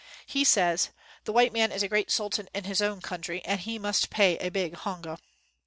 He says, 'The white man is a great sultan in his own country, and he must pay a big hong a.'